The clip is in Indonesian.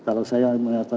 kalau saya melihat